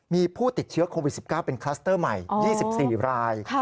มีผู้ติดเชื้อโควิด๑๙เป็นคลัสเตอร์ใหม่๒๔ราย